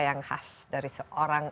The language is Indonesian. yang khas dari seorang